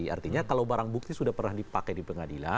artinya kalau barang bukti sudah pernah dipakai di pengadilan